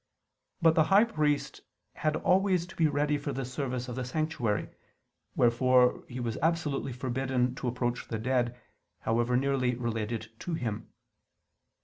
But the high priest had always to be ready for the service of the sanctuary; wherefore he was absolutely forbidden to approach the dead, however nearly related to him.